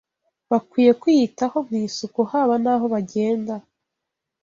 bakwiye kwiyitaho mu isuku haba naho bagenda